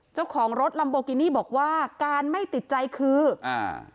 เจ้าของรถลัมโบกินี่บอกว่าการไม่ติดใจคืออ่า